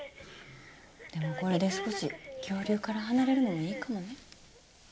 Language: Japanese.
でもこれで少し恐竜から離れるのもいいかもね。